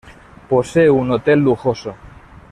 Posee un hotel lujoso.